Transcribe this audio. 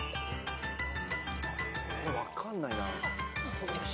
分かんないな。